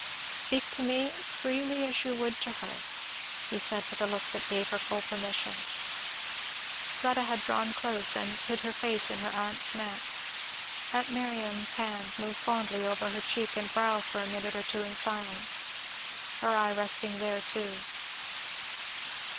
"Speak to me freely as you would to her," he said with a look that gave her full permission. Fleda had drawn close and hid her face in her aunt's neck. Aunt Miriam's hand moved fondly over her cheek and brow for a minute or two in silence; her eye resting there too.